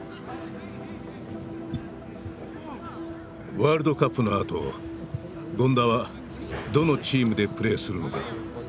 ワールドカップのあと権田はどのチームでプレーするのか？